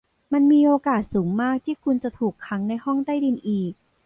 มันมีโอกาสสูงมากที่คุณจะถูกขังในห้องใต้ดินอีก